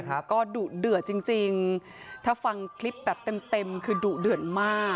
ก็ดุเดือดจริงจริงถ้าฟังคลิปแบบเต็มเต็มคือดุเดือดมาก